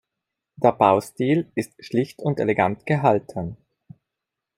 Der Baustil ist schlicht und elegant gehalten.